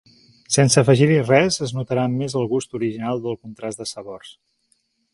Sense afegir-hi res es notarà més el gust original del contrast de sabors.